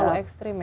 terlalu ekstrim ya